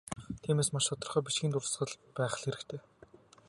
Тиймээс, маш тодорхой бичгийн дурсгал байх л хэрэгтэй.